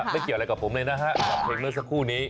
เกี่ยวอะไรกับผมเลยนะฮะกับเพลงเมื่อสักครู่นี้